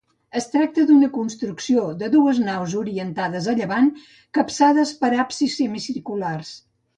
Es tracta d'una construcció de dues naus orientades a llevant capçades per absis semicirculars.